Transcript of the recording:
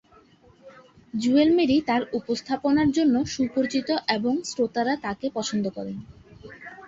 জুয়েল মেরি তাঁর উপস্থাপনার জন্য সুপরিচিত এবং শ্রোতারা তাঁকে পছন্দ করেন।